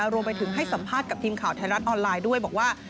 รวมไปถึงให้สัมภาษณ์กับทีมข่าวไทยรัฐออนไลน์ด้วยบอกว่า